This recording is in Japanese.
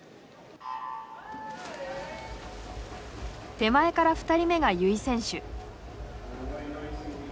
手前から２人目が由井選手。